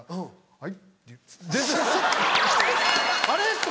「はい」。